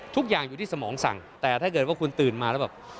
ทุกอย่างอยู่ที่สมองสั่งแต่ถ้าเกิดว่าคุณตื่นมาแล้วแบบ